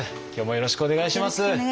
よろしくお願いします。